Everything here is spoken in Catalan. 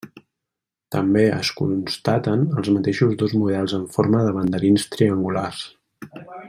També es constaten els mateixos dos models amb forma de banderins triangulars.